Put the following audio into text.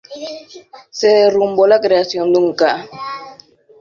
Se derrumbó la creación de un ca.